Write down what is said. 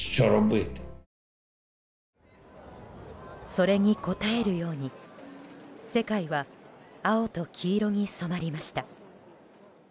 それに応えるように世界は青と黄色に染まりました。